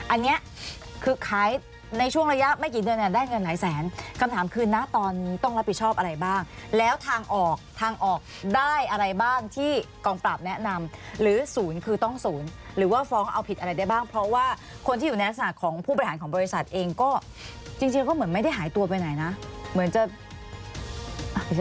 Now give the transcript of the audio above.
อันนี้คือขายในช่วงระยะไม่กี่เดือนเนี่ยได้เงินหลายแสนคำถามคือนะตอนต้องรับผิดชอบอะไรบ้างแล้วทางออกทางออกได้อะไรบ้างที่กองปราบแนะนำหรือศูนย์คือต้องศูนย์หรือว่าฟ้องเอาผิดอะไรได้บ้างเพราะว่าคนที่อยู่ในลักษณะของผู้บริหารของบริษัทเองก็จริงก็เหมือนไม่ได้หายตัวไปไหนนะเหมือนจะ